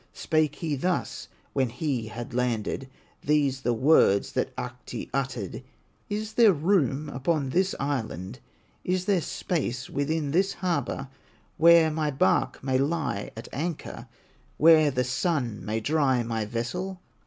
Spake he thus when he had landed, These the words that Ahti uttered: "Is there room upon this island, Is there space within this harbor, Where my bark may lie at anchor, Where the sun may dry my vessel?"